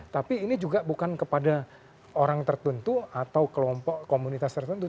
tapi ini juga bukan kepada orang tertentu atau kelompok komunitas tertentu